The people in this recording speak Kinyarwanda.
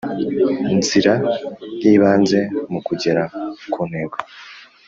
nzira y ibanze mu kugera ku Ntego